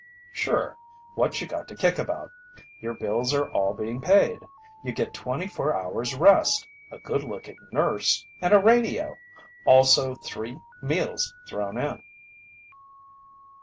"Sure, what you got to kick about? Your bills are all being paid. You get twenty four hours rest, a good looking nurse, and a radio. Also three meals thrown in."